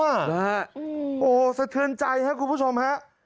โอ้โหสะเทือนใจครับคุณผู้ชมฮะ